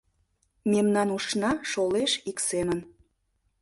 Мемнан ушна шолеш ик семын: